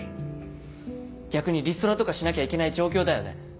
逆にリストラとかしなきゃいけない状況だよね？